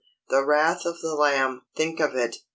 The wrath of the Lamb! Think of it!